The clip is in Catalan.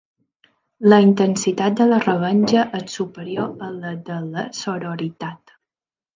La intensitat de la revenja és superior a la de la sororitat.